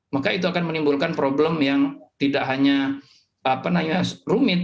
maka itu akan menimbulkan problem yang tidak hanya rumit